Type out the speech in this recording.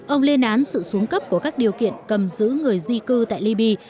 ông lên án sự xuống cấp của các điều kiện cầm giữ người di cư tại liby